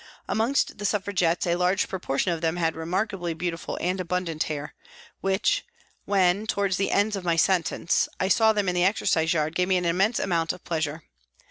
Amongst the Suffragettes, a large proportion of them had remarkably beautiful and abundant hair, which when, towards the end of my sentence, I saw them in the exercise yard gave me an immense amount of pleasure.